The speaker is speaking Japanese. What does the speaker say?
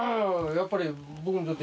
やっぱり僕にとって。